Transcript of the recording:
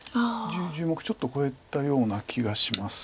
１０目ちょっと超えたような気がします。